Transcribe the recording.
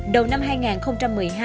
đầu năm hai nghìn một mươi hai